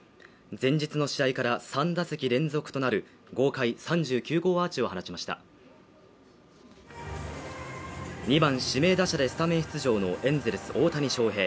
前日の試合から３打席連続となる豪快３９号アーチを放ちました２番・指名打者でスタメン出場のエンゼルス・大谷翔平